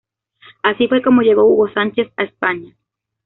Así fue como llegó Hugo Sánchez a España.